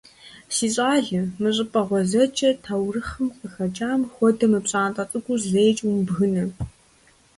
Си щӀалэ, мы щӀыпӀэ гъуэзэджэр, таурыхъым къыхэкӀам хуэдэ мы пщӀантӀэ цӀыкӀур зэикӀ умыбгынэ.